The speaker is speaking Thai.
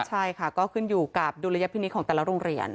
ใช่ค่ะก็ขึ้นอยู่กับดุลยพินิษฐ์ของแต่ละโรงเรียน